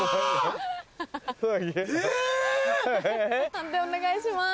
判定お願いします。